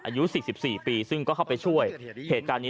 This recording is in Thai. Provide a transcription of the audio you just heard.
อายุ๔๔ปีซึ่งก็เข้าไปช่วยเหตุการณ์นี้